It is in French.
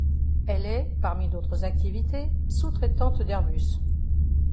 Elle est, parmi d'autres activités, sous-traitante d'Airbus.